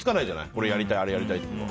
これやりたい、あれやりたいって。